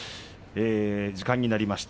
時間になりました。